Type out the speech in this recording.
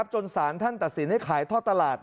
จนสารท่านตัดสินให้ขายท่อตลาด